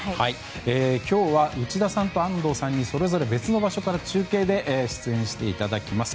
今日は、内田さんと安藤さんにそれぞれ別の場所から中継で出演していただきます。